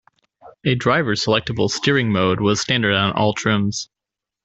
A Driver Selectable Steering Mode was standard on all trims.